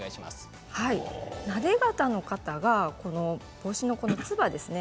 なで肩の方は帽子のつばですね